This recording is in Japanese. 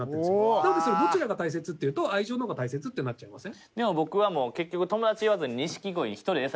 なので、どちらが大切っていうと愛情のほうが大切ってなっちゃいますね。